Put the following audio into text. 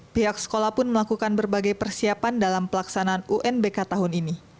pihak sekolah pun melakukan berbagai persiapan dalam pelaksanaan unbk tahun ini